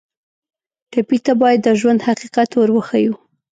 ټپي ته باید د ژوند حقیقت ور وښیو.